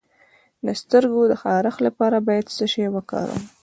د سترګو د خارښ لپاره باید څه شی وکاروم؟